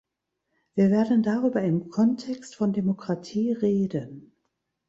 Wir werden darüber im Kontext von Demokratie reden.